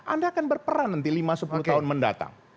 anda akan berperan nanti lima sepuluh tahun mendatang